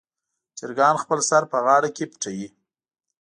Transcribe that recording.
چرګان خپل سر په غاړه کې پټوي.